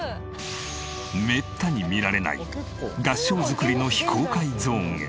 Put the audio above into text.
めったに見られない合掌造りの非公開ゾーンへ。